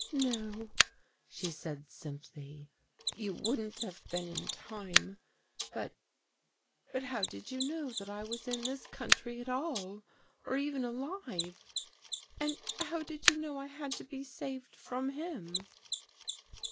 " No," she said simply, " you wouldn't have been in time. But — but how did you know that I was in this country at all, or even alive? And how did you know I had to be saved from him?"